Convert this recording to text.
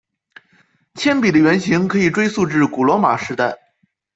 铅笔的原型可以追溯至古罗马时代。